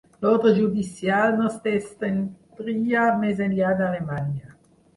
L'ordre judicial no s'estendria més enllà d'Alemanya.